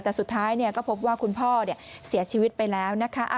แต่สุดท้ายก็พบว่าคุณพ่อเสียชีวิตไปแล้วนะคะ